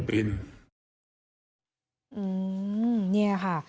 อืมเนี่ยค่ะ